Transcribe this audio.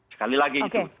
sekali lagi itu